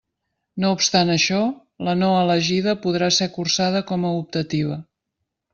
No obstant això, la no elegida podrà ser cursada com a optativa.